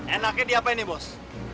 enaknya diapain nih bos